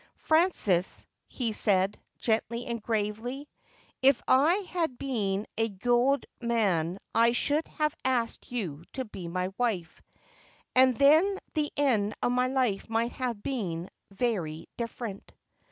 ' Frances,' he said, gently and gravely, ' if I had been a good man I should have asked you to be my wife, and then the end of my life might have been very different.'